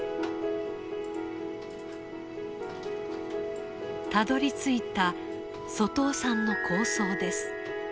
たどりついた外尾さんの構想です。